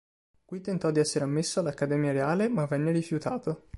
Qui tentò di essere ammesso all'Accademia Reale ma venne rifiutato.